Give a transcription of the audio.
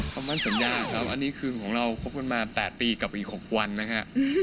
คำมั่นสัญญาครับอันนี้คือของเราคบกันมา๘ปีกับอีก๖วันนะฮะ